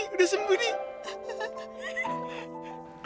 udah sembuh nih